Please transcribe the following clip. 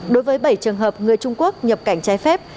đối với bảy trường hợp người trung quốc nhập cảnh trái phép